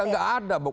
ya gak ada